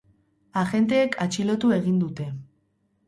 Agenteek atxilotu egin dute.